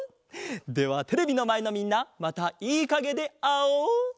ではテレビのまえのみんなまたいいかげであおう！